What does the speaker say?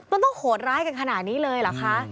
มันต้องโหดร้ายกันขนาดนี้เลยเหรอคะ